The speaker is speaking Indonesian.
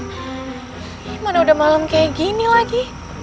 gimana udah malam kayak gini lagi